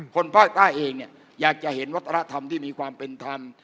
คนภาคใต้เองเนี่ยอยากจะเห็นวัฒนธรรมที่มีความเป็นธรรม